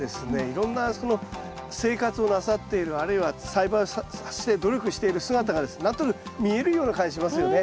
いろんなその生活をなさっているあるいは栽培をして努力している姿がですね何となく見えるような感じしますよね。